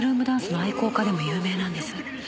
ダンスの愛好家でも有名なんです。